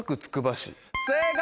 正解！